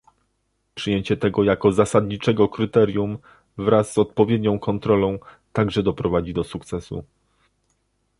Przyjęcie tego jako zasadniczego kryterium, wraz z odpowiednią kontrolą, także doprowadzi do sukcesu